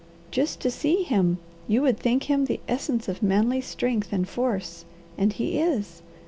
"Just to see him, you would think him the essence of manly strength and force. And he is!